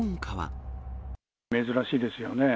珍しいですよね。